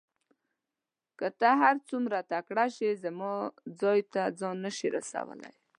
که ته هر څوره تکړه شې زما ځای ته ځان نه شې رسولای.